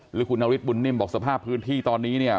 หรือคุณนาวิทย์บุญนิมบอกสภาพพื้นที่ตอนนี้